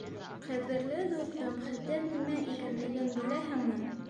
Ҡәҙерле дуҫым, Хәтер нимә икәнлеген беләһеңме?